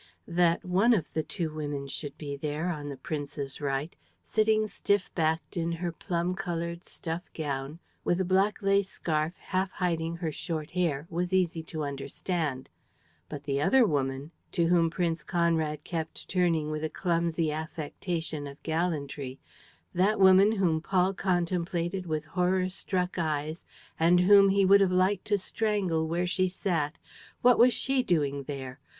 That one of the two women should be there, on the prince's right, sitting stiff backed in her plum colored stuff gown, with a black lace scarf half hiding her short hair, was easy to understand. But the other woman, to whom Prince Conrad kept turning with a clumsy affectation of gallantry, that woman whom Paul contemplated with horror struck eyes and whom he would have liked to strangle where she sat, what was she doing there?